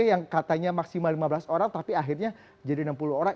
yang katanya maksimal lima belas orang tapi akhirnya jadi enam puluh orang